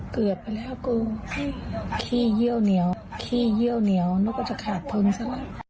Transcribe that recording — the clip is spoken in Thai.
เกือบไปแล้วก็คี่เยี่ยวเหนียวคี่เยี่ยวเหนียวแล้วก็จะขาดเพิ่มซะ